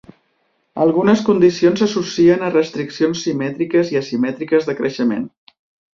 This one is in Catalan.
Algunes condicions s'associen a restriccions simètriques i asimètriques de creixement.